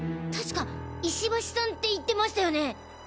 確か石橋さんって言ってましたよね。